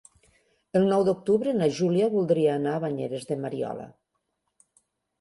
El nou d'octubre na Júlia voldria anar a Banyeres de Mariola.